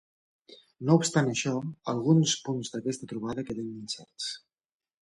No obstant això, alguns punts d'aquesta trobada queden incerts.